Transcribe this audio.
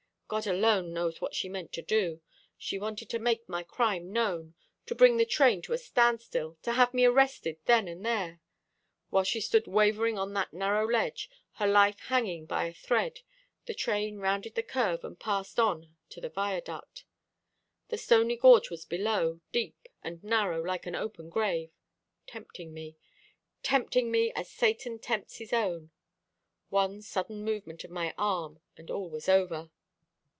God alone knows what she meant to do. She wanted to make my crime known, to bring the train to a standstill, to have me arrested then and there. While she stood wavering on that narrow ledge, her life hanging by a thread, the train rounded the curve and passed on to the viaduct. The stony gorge was below, deep and narrow, like an open grave tempting me tempting me as Satan tempts his own. One sudden movement of my arm, and all was over.